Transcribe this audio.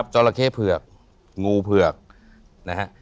จราเข้เผือกงูเผือกนะฮะ